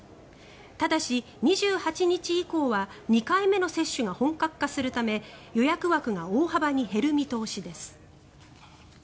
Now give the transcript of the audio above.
ただし、２８日以降は２回目の接種が本格化するため予約枠が大幅に減る見通しです。